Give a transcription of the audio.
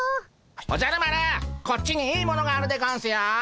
おじゃる丸こっちにいいものがあるでゴンスよ。